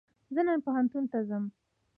زه نن پوهنتون ته ځم